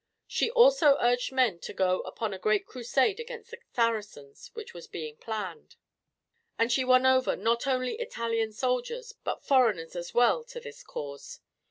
She also urged men to go upon a great crusade against the Saracens which was being planned, and she won over not only Italian soldiers but foreigners as well to this cause.